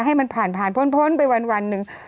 ให้มันผ่านโพนไปวันนึง